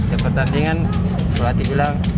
setiap pertandingan berarti bilang